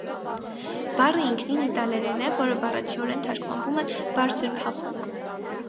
Բառը ինքնին իտալերեն է, որը բառացիորեն թարգմանվում է «բարձրփափուկ»։